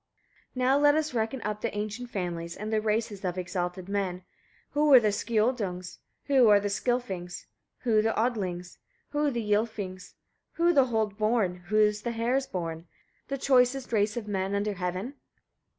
12. Now let us reckon up the ancient families, and the races of exalted men. Who are the Skioldungs? Who are the Skilfings? Who the Odlings? Who the Ylfings? Who the hold born? Who the hers born? The choicest race of men under heaven?